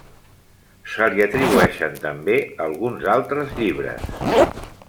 Se li atribueixen també alguns altres llibres.